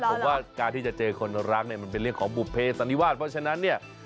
ผมว่าการที่จะเจอคนรักเนี่ยมันเป็นเรื่องของบุภเพสันนิวาสเพราะฉะนั้นเนี่ย